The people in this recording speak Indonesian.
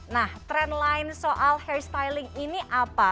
nah tren lain soal hair styling ini apa